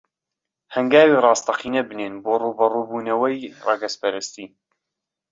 هەنگاوی ڕاستەقینە بنێن بۆ ڕووبەڕووبوونەوەی ڕەگەزپەرستی